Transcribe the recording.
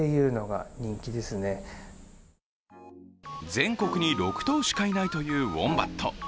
全国に６頭しかいないというウォンバット。